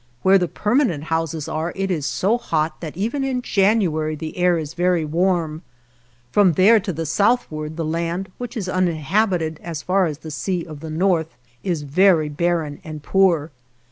Where the permanent houses are it is so hot that even in January the air is very warm. From there to the southward the land, which is uninhabited as far as the Sea of the North, is very barren and poor.